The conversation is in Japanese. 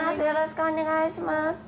よろしくお願いします。